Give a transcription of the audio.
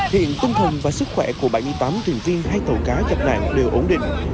hiện tâm thần và sức khỏe của bảy mươi tám thuyền viên hai tàu cá gặp nạn đều ổn định